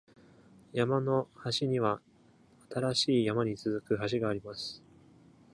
山の端には、新しい山に続く橋があります。